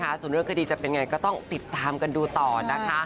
ส่วนเรื่องคดีจะเป็นไงก็ต้องติดตามกันดูต่อนะคะ